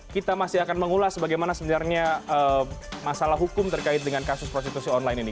kita masih akan mengulas bagaimana sebenarnya masalah hukum terkait dengan kasus prostitusi online ini